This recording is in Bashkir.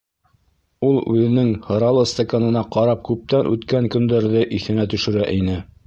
Ул үҙенең һыралы стаканына ҡарап күптән үткән көндәрҙе иҫенә төшөрә ине.